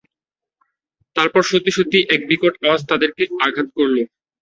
তারপর সত্যি সত্যিই এক বিকট আওয়াজ তাদেরকে আঘাত করল।